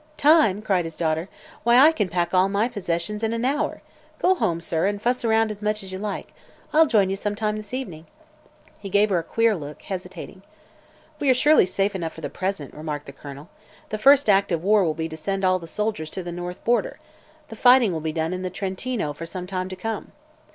"Time!" cried his daughter, "why, I can pack all my possessions in an hour. Go home, sir, and fuss around as much as you like. I'll join you some time this evening." He gave her a queer look, hesitating. "We are surely safe enough for the present," remarked the Colonel. "The first act of war will be to send all the soldiers to the north border. The fighting will be done in the Trentino for some time to come."